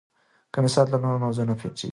که مثال وي نو موضوع نه پټیږي.